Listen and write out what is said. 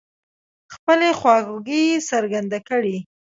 خپلې خواخوږۍ يې څرګندې کړې.